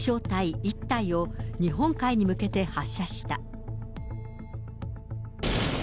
１体を日本海に向けて発射した。